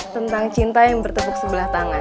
tentang cinta yang bertepuk sebelah tangan